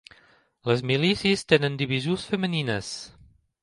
Les milícies tenen divisions femenines.